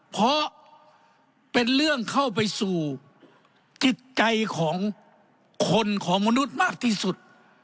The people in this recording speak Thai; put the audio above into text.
เพราะเป็นเรื่องเข้าไปสู่จิตใจของคนของมนุษย์มากที่สุด